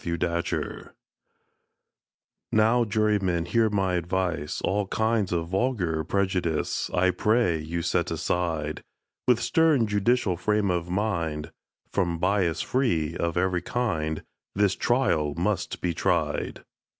THE USHER'S CHARGE NOW, Jurymen, hear my advice— All kinds of vulgar prejudice I pray you set aside: With stern judicial frame of mind— From bias free of every kind, This trial must be tried!